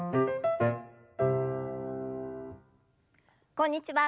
こんにちは